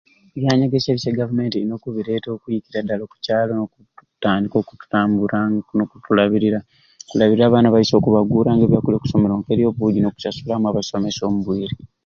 Ebyanyegesya ebisai e gavumenti erina okubireeta okwikira dala oku kyalo okutandika okututambura n'okutulabirira, okulabirira abaana baiswe okubaguura ebya kulya okusomero k'obuugi n'okusasulamu abasomesa omu bwire.